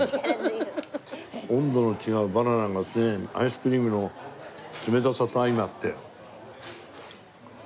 温度の違うバナナがアイスクリームの冷たさと相まって。